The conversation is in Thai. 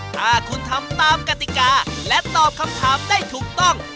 ถ้าคุณทำตามกติกาและตอบคำถามได้ถูกต้อง